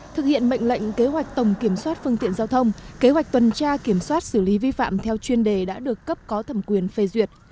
thực hiện mệnh lệnh kế hoạch tổng kiểm soát phương tiện giao thông kế hoạch tuần tra kiểm soát xử lý vi phạm theo chuyên đề đã được cấp có thẩm quyền phê duyệt